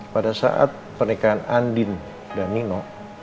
pada saat pernikahan andin dan nino